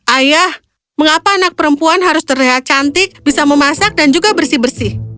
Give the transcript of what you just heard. ayah mengapa anak perempuan harus terlihat cantik bisa memasak dan juga bersih bersih